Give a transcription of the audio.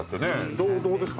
どうですか？